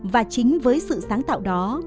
và chính với sự sáng tạo đó